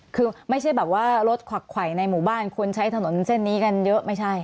หรือว่ารถขวักไขวในหมู่บ้านควรใช้ถนนเส้นนี้กันเยอะไม่ใช่